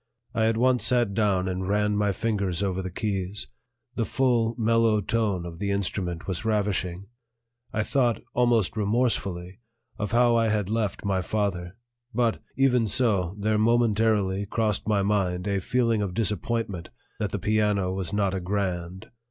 I at once sat down and ran my fingers over the keys; the full, mellow tone of the instrument was ravishing. I thought, almost remorsefully, of how I had left my father; but, even so, there momentarily crossed my mind a feeling of disappointment that the piano was not a grand.